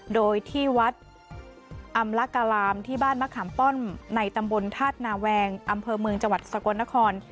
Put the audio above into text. โดยที่วัดอำลการามที่บ้านมะขามป้อมในตำบลธาตุนาแวงอำเภอเมืองจังหวัดสกลนคร